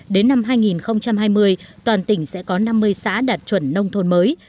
đến năm hai nghìn hai mươi toàn tỉnh sẽ có năm mươi xã đạt chuẩn nông thôn mới